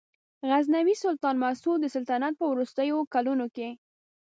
غزنوي سلطان مسعود د سلطنت په وروستیو کلونو کې.